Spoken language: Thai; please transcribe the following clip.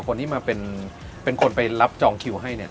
คนที่มาเป็นคนไปรับจองคิวให้เนี่ย